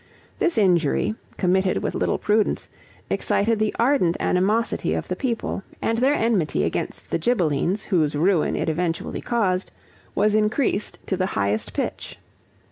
This injury, committed with little prudence, excited the ardent animosity of the people, and their enmity against the Ghibellines, whose ruin it eventually caused, was increased to the highest pitch.